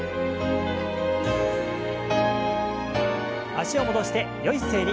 脚を戻してよい姿勢に。